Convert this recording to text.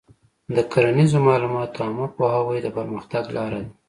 د کرنیزو معلوماتو عامه پوهاوی د پرمختګ لاره ده.